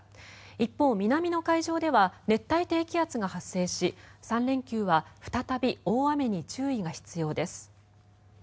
一方、南の海上では熱帯低気圧が発生し３連休は再び大雨に注意が必要です。